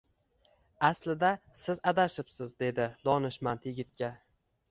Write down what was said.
Aslida siz adashibsiz, dedi donishmand yigitga